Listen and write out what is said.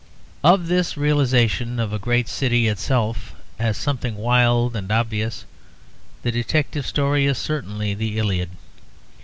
Of this realization of a great city itself as something wild and obvious the detective story is certainly the 'Iliad.'